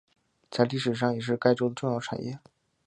在历史上也是该州的重要产业。